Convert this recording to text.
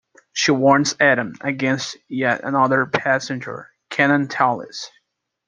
She warns Adam against yet another passenger, Canon Tallis.